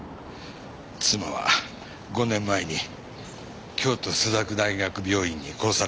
妻は５年前に京都朱雀大学病院に殺されたんです。